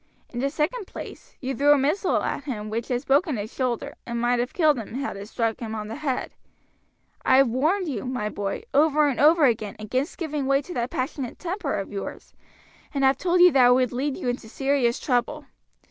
In the second place, you threw a missile at him, which has broken his shoulder, and might have killed him had it struck him on the head. I have warned you, my boy, over and over again against giving way to that passionate temper of yours, and have told you that it would lead you into serious trouble."